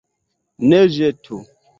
Ne ĵetu!